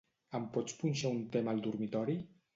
Em pots punxar un tema al dormitori?